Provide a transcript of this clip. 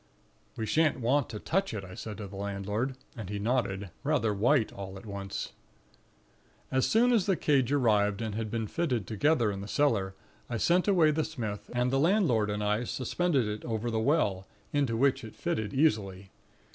"'We shan't want to touch it," I said to the landlord; and he nodded, rather white all at once. "As soon as the cage arrived and had been fitted together in the cellar, I sent away the smith; and the landlord and I suspended it over the well, into which it fitted easily.